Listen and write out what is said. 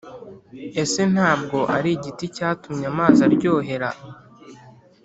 Ese nta bwo ari igiti cyatumye amazi aryohera,